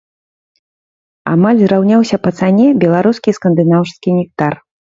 Амаль зраўняўся па цане беларускі і скандынаўскі нектар.